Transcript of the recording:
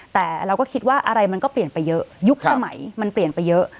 แต่เราก็คิดว่าอะไรมันก็เปลี่ยนไปเยอะยุคสมัยมันเปลี่ยนไปเยอะ